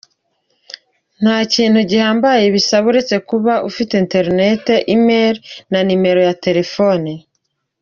Nta kintu gihambaye bisaba uretse kuba ufite internet, email na numero ya telefoni .